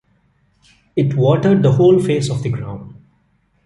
It watered the whole face of the ground.